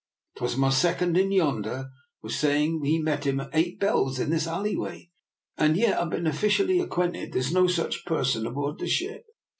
'Twas my second in yonder was saying he met him at eight bells in this alleyway. And yet I've been officially acquented there's no such per son aboard the ship."